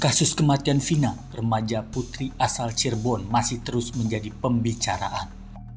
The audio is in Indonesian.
kasus kematian fina remaja putri asal cirebon masih terus menjadi pembicaraan